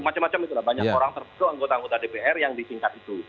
macam macam itulah banyak orang termasuk anggota anggota dpr yang disingkat itu